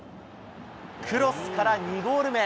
クロスから２ゴール目。